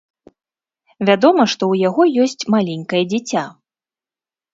Вядома, што ў яго ёсць маленькае дзіця.